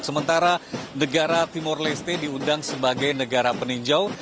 sementara negara timur leste diundang sebagai negara peninjau